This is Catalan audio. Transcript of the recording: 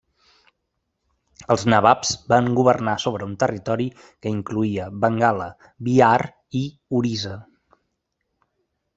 Els nababs van governar sobre un territori que incloïa Bengala, Bihar i Orissa.